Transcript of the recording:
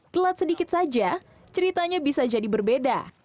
telat sedikit saja ceritanya bisa jadi berbeda